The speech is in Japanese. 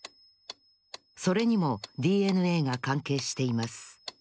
それにもＤＮＡがかんけいしています。